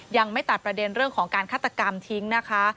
ยังไม่ตัดประเด็นเรื่องของการฆาตกรรมทิ้งนะคะ